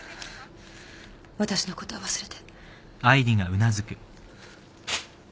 私のことは忘れて。